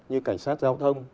như cảnh sát giao thông